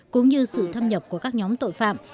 cũng như sự thâm nhập của các nhóm tội phạm